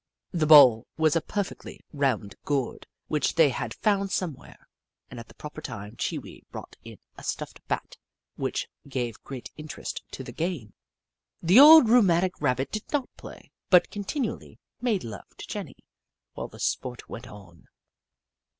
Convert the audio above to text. The ball was a perfectly round gourd which they had found somewhere, and at the proper time Chee Wee brought in a stuffed Bat, which gave great interest to the game. The old rheumatic Rabbit did not play, but continually made love to Jenny while the sport went on.